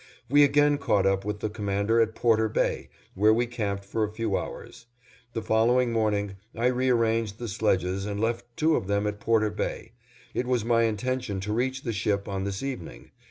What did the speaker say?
We again caught up with the Commander at Porter Bay, where we camped for a few hours. The following morning I rearranged the sledges and left two of them at Porter Bay. It was my intention to reach the ship on this evening.